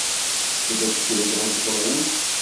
peut-être qu'il a grandi pendant la nuit.